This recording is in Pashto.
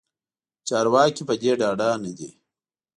چارواکې پدې ډاډه ندي